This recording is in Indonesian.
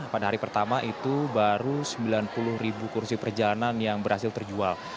pada hari pertama itu baru sembilan puluh ribu kursi perjalanan yang berhasil terjual